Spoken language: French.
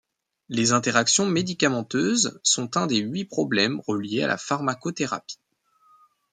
Les interactions médicamenteuse sont un des huit problèmes reliés à la pharmacothérapie.